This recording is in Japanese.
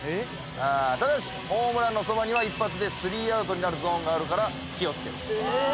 ただしホームランのそばには一発で３アウトになるゾーンがあるから気を付けて。